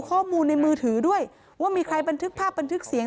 ข้อมูลในมือถือด้วยว่ามีใครบันทึกภาพบันทึกเสียง